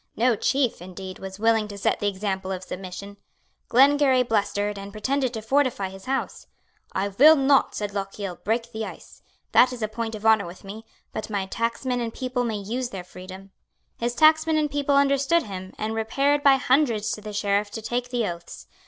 No chief, indeed, was willing to set the example of submission. Glengarry blustered, and pretended to fortify his house. "I will not," said Lochiel, "break the ice. That is a point of honour with me. But my tacksmen and people may use their freedom." His tacksmen and people understood him, and repaired by hundreds to the Sheriff to take the oaths.